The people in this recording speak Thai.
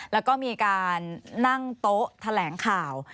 แล้วก็มีการนั่งโต๊ะแถลงข่าว